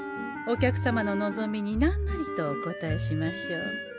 お客様の望みになんなりとお応えしましょう。